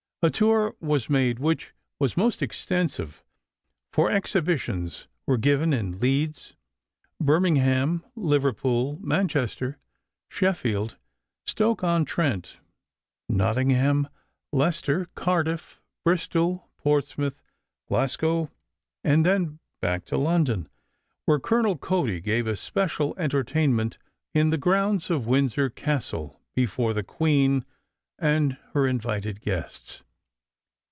A tour was made which was most extensive, for exhibitions were given in Leeds, Birmingham, Liverpool, Manchester, Sheffield, Stoke on Trent, Nottingham, Leicester, Cardiff, Bristol, Portsmouth, Glasgow, and then back to London, where Colonel Cody gave a special entertainment in the grounds of Windsor Castle before the queen and her invited guests.